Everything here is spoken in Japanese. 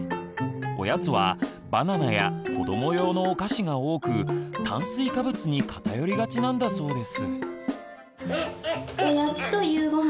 おやつはバナナや子ども用のお菓子が多く炭水化物に偏りがちなんだそうです。